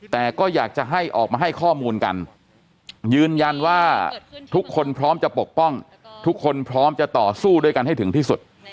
แต่ก็อยากจะให้ออกมาให้ข้อมูลกันยืนยันว่าทุกคนพร้อมจะปกป้องทุกคนพร้อมจะต่อสู้ด้วยกันให้ถึงที่สุด